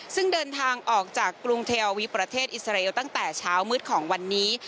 ซึ่งเดินทางออกจากกรุงเทราวีประเทศอิสราเอลตั้งแต่เช้ามืดของวันนี้